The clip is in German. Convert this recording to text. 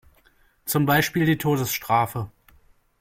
Zum Beispiel die Todesstrafe.